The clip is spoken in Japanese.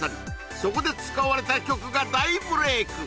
そこで使われた曲が大ブレイク